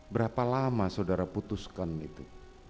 berapa lama saudara putuskan itu